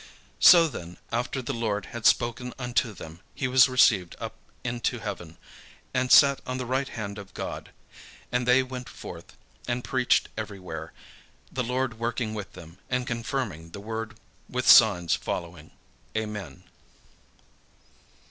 So then after the Lord had spoken unto them, he was received up into heaven, and sat on the right hand of God. And they went forth, and preached every where, the Lord working with them, and confirming the word with signs following. Amen.